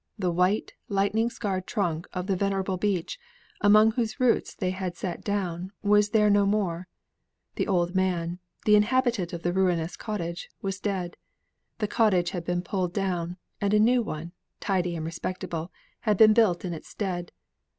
The white, lightning scarred trunk of the venerable beech, among whose roots they had sate down was there no more; the old man, the inhabitant of the ruinous cottage, was dead; the cottage had been pulled down, and a new one, tidy and respectable, had been built in its stead.